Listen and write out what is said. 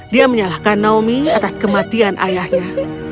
dia menyalahkan naomi atas kematian ayahnya